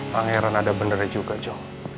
pangeran ada beneran juga jho